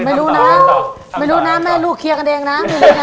ไม่รู้นะไม่รู้นะแม่ลูกเคลียร์กันเองนะ